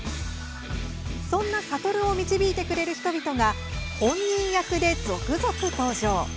そんな諭を導いてくれる人々が本人役で続々登場。